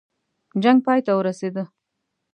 جنګ پای ته ورسېدی.